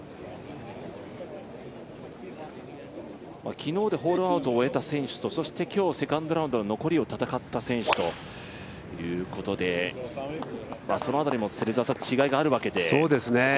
昨日でホールアウトを終えた選手と残りのセカンドラウンドを戦った選手とその辺りも違いがあるわけで。